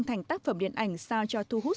thành tác phẩm điện ảnh sao cho thu hút